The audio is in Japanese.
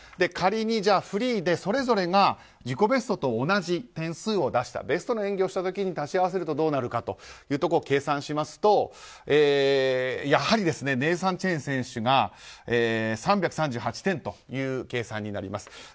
仮にフリーでそれぞれが自己ベストと同じ点数を出したベストの演技をした時に足し合わせるとどうなるかというところを計算しますとやはりネイサン・チェン選手が３３８点という計算になります。